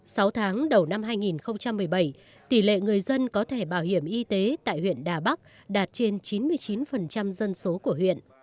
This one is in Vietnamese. sau tháng đầu năm hai nghìn một mươi bảy tỷ lệ người dân có thể bảo hiểm y tế tại huyện đà bắc đạt trên chín mươi chín dân số của huyện